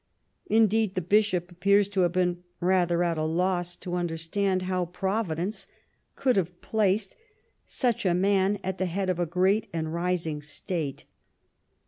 In deed^ the Bishop appears to have been rather at a loss to understand how Providence could have placed such a man at the head of a great and rising state.